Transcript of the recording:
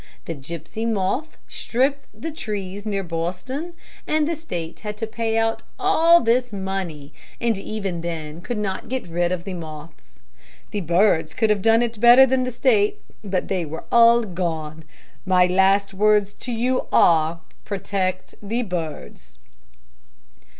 The gypsy moth stripped the trees near Boston, and the State had to pay out all this money, and even then could not get rid of the moths. The birds could have done it better than the State, but they were all gone. My last words to you are, 'Protect the birds.'"